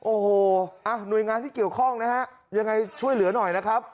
โอ้โหหน่วยงานที่เกี่ยวข้องนะฮะยังไงช่วยเหลือหน่อยนะครับ